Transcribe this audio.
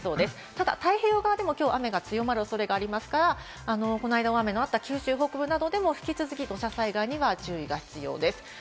ただ太平洋側でもきょう雨が強まるおそれがありますから、この間、雨のあった九州北部などでも引き続き土砂災害には警戒が必要です。